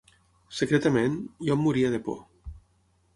Secretament, jo em moria de por.